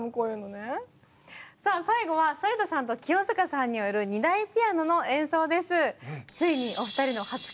さあ最後は反田さんと清塚さんによる２台ピアノの演奏です。